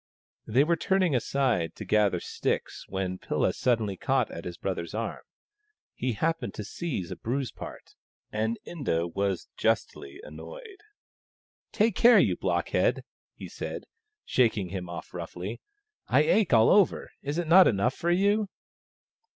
They were turning aside to gather sticks when Pilla suddenly caught at his brother's arm. He happened to seize a bruised part, and Inda was justly annoyed. " Take care, blockhead !" he said, shaking him off roughly. " I ache all over — is it not enough for you